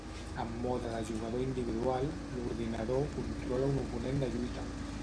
En mode de jugador individual, l'ordinador controla un oponent de lluita.